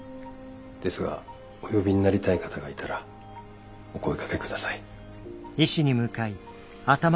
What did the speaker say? ですがお呼びになりたい方がいたらお声がけ下さい。